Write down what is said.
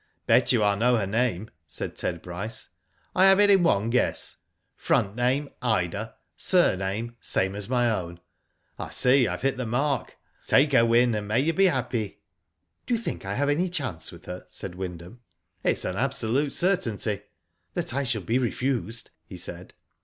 Bet you I know her name," said Ted Bryce. " I have it in one guess. Front name, Ida, sur name same as my own. I see I have hit the mark. Take her, Wyn, and may you be happy." Do you think I have any chance with her?" said Wyndham. " It is an absolute certainty." " That I shall be refused," he said.